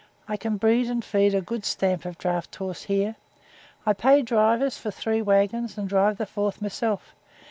'I can breed and feed a good stamp of draught horse here. I pay drivers for three waggons and drive the fourth myself.